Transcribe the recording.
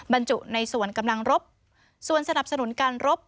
บรรจุในส่วนกำลังรบส่วนสนับสนุนการรบ